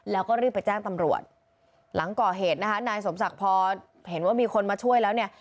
แล้วก็รีบไปแจ้งตำรวจหลังก่อเหตุนะคะนายสมศักดิ์พอเห็นว่ามีคนมาช่วยแล้วเนี่ย